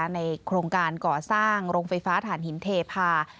ในโครงการก่อสร้างโรงไฟฟ้าฐานหินเทพา